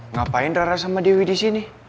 ngapain rara sama dewi disini